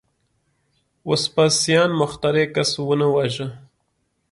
وسپاسیان مخترع کس ونه واژه.